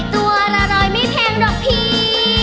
ตัวละร้อยไม่แพงหรอกพี่